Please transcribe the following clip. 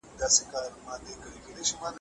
هغه مرحله چي تخيلي ده رباني نوميږي.